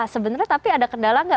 sebenarnya tapi ada kendala nggak